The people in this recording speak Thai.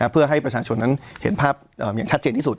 เพื่อให้ประชาชนนั้นเห็นภาพอย่างชัดเจนที่สุด